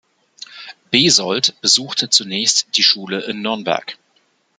Besold besuchte zunächst die Schule in Nürnberg.